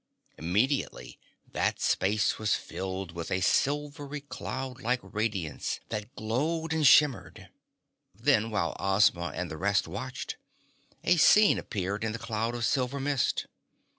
Immediately that space was filled with a silvery, cloud like radiance that glowed and shimmered. Then, while Ozma and the rest watched, a scene appeared in the cloud of silver mist.